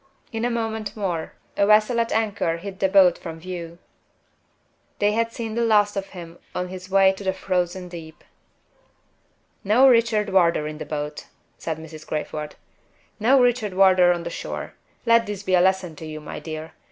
In a moment more a vessel at anchor hid the boat from view. They had seen the last of him on his way to the Frozen Deep! "No Richard Wardour in the boat," said Mrs. Crayford. "No Richard Wardour on the shore. Let this be a lesson to you, my dear.